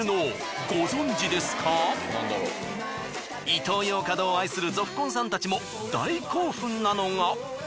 イトーヨーカドーを愛するぞっこんさんたちも大興奮なのが。